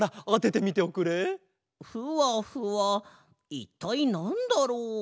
ふわふわいったいなんだろう？